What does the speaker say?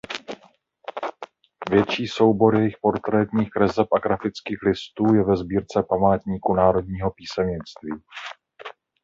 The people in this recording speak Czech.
Větší soubor jejích portrétních kreseb a grafických listů je ve sbírce Památníku národního písemnictví.